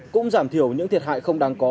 cũng giảm thiểu những thiệt hại không đáng có